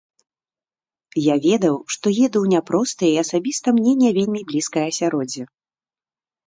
Я ведаў, што еду ў няпростае і асабіста мне не вельмі блізкае асяроддзе.